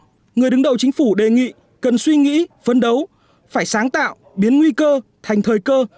nhưng người đứng đầu chính phủ đề nghị cần suy nghĩ phân đấu phải sáng tạo biến nguy cơ thành thời cơ